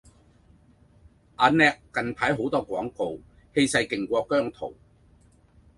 阿叻近排好多廣告，氣勢勁過姜濤